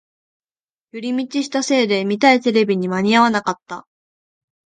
寄り道したせいで見たいテレビに間に合わなかった